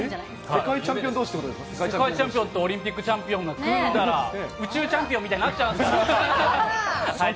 世界チャンピオンどうしって世界チャンピオンとオリンピックチャンピオンが組んだら、宇宙チャンピオンみたいになっちゃうかな。